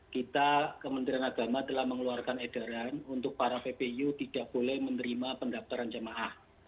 kita kementerian agama telah mengeluarkan edaran untuk para ppu tidak boleh menerima pendaftaran jemaah